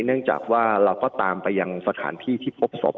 เนื่องจากว่าเราก็ตามไปยังสถานที่ที่พบศพ